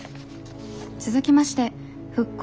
続きまして復興